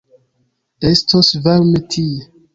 Estos varme tie.